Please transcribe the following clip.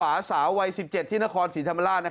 เป๋าสาววัย๑๗ที่นครสิรธรรมลา